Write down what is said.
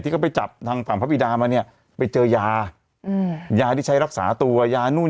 เขาไปจับทางฝั่งพระบิดามาเนี่ยไปเจอยาอืมยาที่ใช้รักษาตัวยานู่น